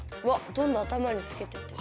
どんどん頭につけてってる。